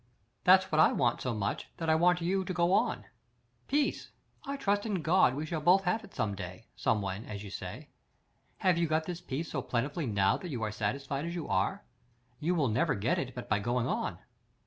"That's what I want so much that I want you to go on. Peace! I trust in God we shall both have it one day, SOMEWHEN, as you say. Have you got this peace so plentifully now that you are satisfied as you are? You will never get it but by going on."